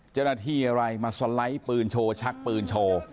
เจ้าหน้าที่อะไรมาสไลด์ปืนโชว์ชักปืนโชว์